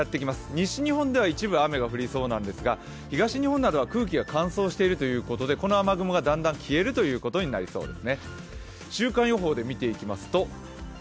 西日本では一部、雨が降りそうなんですが東日本などは空気が乾燥しているということでこの雨雲がだんだん消えることになりそうです。